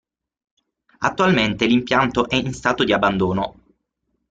Attualmente l'impianto è in stato di abbandono.